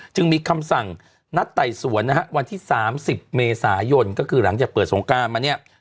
จึงมีคำสั่งนัดไต่สวนนะฮะวันที่๓๐เมษายนก็คือหลังจากเปิดสงการมาเนี่ย